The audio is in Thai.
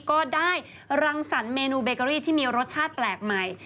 ก็ได้รังสรรคเมนูเบเกอรี่ที่มีรสชาติแปลกใหม่